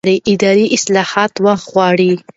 اداري اصلاح وخت غواړي